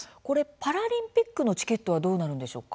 パラリンピックのチケットはどうなるんでしょうか。